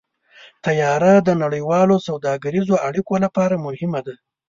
طیاره د نړیوالو سوداګریزو اړیکو لپاره مهمه ده.